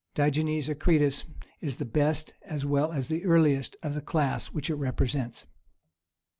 "Digenes Akritas" is the best as well as the earliest of the class which it represents.